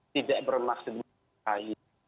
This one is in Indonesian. tidak bermaksud mengedukasi